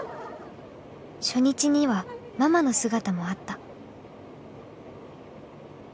初日にはママの姿もあった。